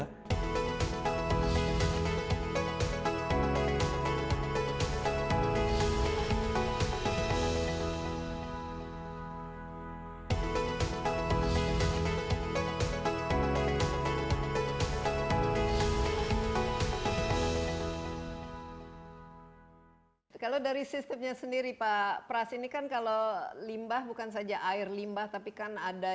hai kalau dari sistemnya sendiri pak pras ini kan kalau limbah bukan saja air limbah tapi kan ada